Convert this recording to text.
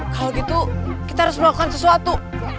kalau gitu kita harus melakukan sesuatu